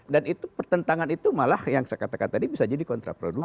dan itu pertentangan itu malah yang saya katakan tadi bisa jadi kontraproduktif